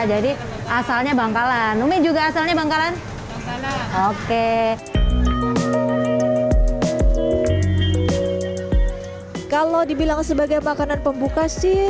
jadi asalnya bangkalan umi juga asalnya bangkalan oke kalau dibilang sebagai makanan pembuka sih